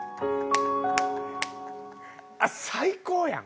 あっ最高やん。